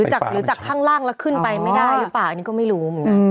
หรือจากข้างล่างแล้วขึ้นไปไม่ได้หรือเปล่าอันนี้ก็ไม่รู้เหมือนกัน